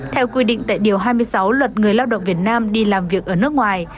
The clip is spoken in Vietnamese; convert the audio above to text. theo quy định tại điều hai mươi sáu luật người lao động việt nam đi làm việc ở nước ngoài